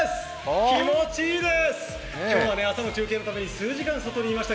気持ちいいです。